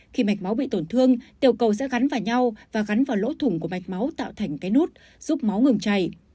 khi mạch máu bị tổn thương tiểu cầu sẽ gắn vào nhau và gắn vào lỗ thùng của mạch máu tạo thành cái nút giúp máu ngừng chảy